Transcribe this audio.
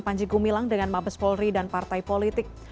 panji gumilang dengan mabes polri dan partai politik